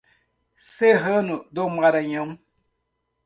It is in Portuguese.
Serrano do Maranhão